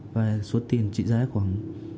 và số tiền trị giá khoảng